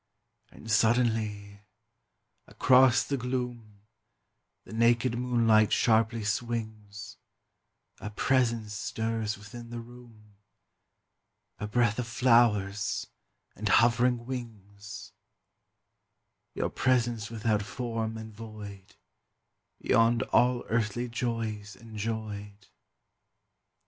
And suddenly, across the gloom, The naked moonlight sharply swings; A Presence stirs within the room, A breath of flowers and hovering wings: Your presence without form and void, Beyond all earthly joys enjoyed.